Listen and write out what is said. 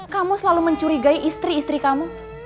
kamu selalu mencurigai istri istri kamu